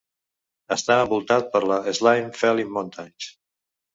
Està envoltat per les Slieve Felim Mountains.